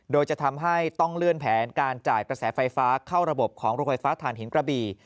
โดยจะทำให้ต้องเลื่อนแผนการจ่ายกระแสไฟฟ้าเข้าระบบของโรงไฟฟ้าฐานหินกระบี่